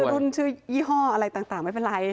รุ่นชื่อยี่ห้ออะไรต่างไม่เป็นไร